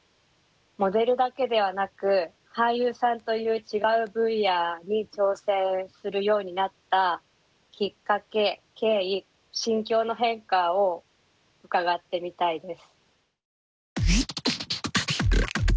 モデルだけではなく俳優さんという違う分野に挑戦するようになったきっかけ経緯心境の変化を伺ってみたいです。